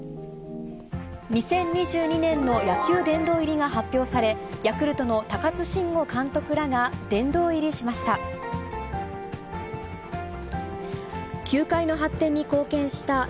２０２２年の野球殿堂入りが発表され、ヤクルトの高津臣吾監督らが殿堂入りしました。